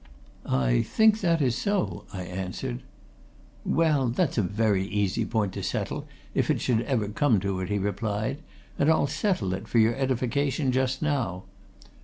"I think that is so," I answered. "Well, that's a very easy point to settle, if it should ever come to it," he replied. "And I'll settle it, for your edification, just now.